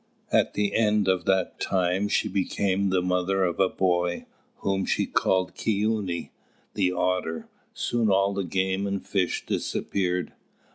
At the end of that time she became the mother of a boy, whom she called "Kīūny" the Otter. Soon all the game and fish disappeared.